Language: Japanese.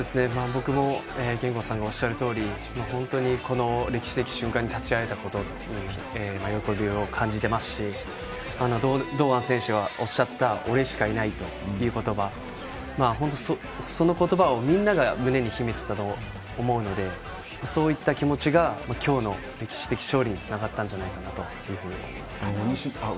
僕も憲剛さんがおっしゃるとおり歴史的瞬間に立ち会えたことに喜びを感じていますし堂安選手がおっしゃった俺しかいないという言葉その言葉をみんなが胸に秘めていたと思うのでそういった気持ちが今日の歴史的勝利につながったんじゃないかなと思います。